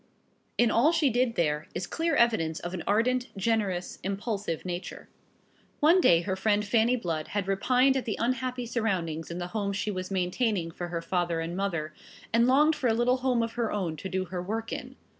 In all she did there is clear evidence of an ardent, generous, impulsive nature. One day her friend Fanny Blood had repined at the unhappy surroundings in the home she was maintaining for her father and mother, and longed for a little home of her own to do her work in.